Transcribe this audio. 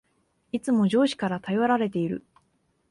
いつも上司から頼られている